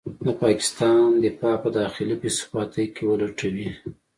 د پاکستان دفاع په داخلي بې ثباتۍ کې ولټوي.